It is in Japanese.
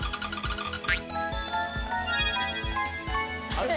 あれ。